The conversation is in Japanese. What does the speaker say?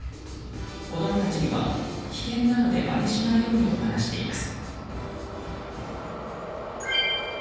子供たちには危険なのでまねしないようにと話しています。